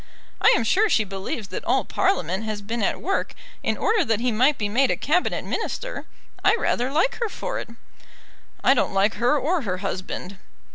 I am sure she believes that all Parliament has been at work in order that he might be made a Cabinet Minister. I rather like her for it." "I don't like her, or her husband."